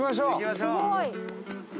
すごい！